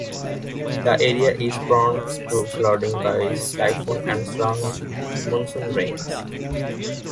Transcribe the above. The area is prone to flooding by typhoons and strong monsoon rains.